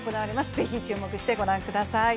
ぜひ注目して御覧ください。